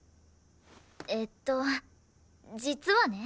えっと実はね。